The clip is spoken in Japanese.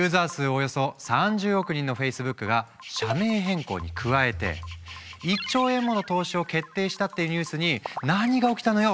およそ３０億人のフェイスブックが社名変更に加えて１兆円もの投資を決定したっていうニュースに何が起きたのよ？